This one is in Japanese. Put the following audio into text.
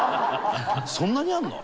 そんなにあるの？